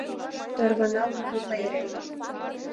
Тарвана кугу пайрем!